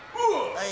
はい。